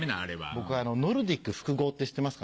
僕ノルディック複合って知ってますか？